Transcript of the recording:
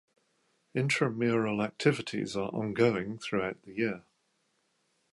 Intramural activities are ongoing throughout the year.